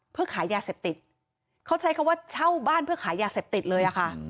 เพื่อขายยาเสพติดเขาใช้คำว่าเช่าบ้านเพื่อขายยาเสพติดเลยอะค่ะ